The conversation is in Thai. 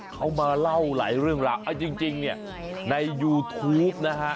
เขามาเล่าหลายเรื่องราวเอาจริงเนี่ยในยูทูปนะฮะ